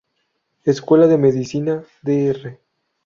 Escuela de Medicina Dr.